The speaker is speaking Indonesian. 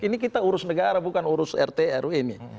ini kita urus negara bukan urus rt ru ini